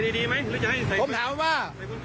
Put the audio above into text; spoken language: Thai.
หรือจะให้ใส่ผมถามว่า